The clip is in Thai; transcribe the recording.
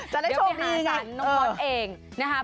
จะได้โชคดีไงเดี๋ยวไปหาสารน้องพอร์ชเอง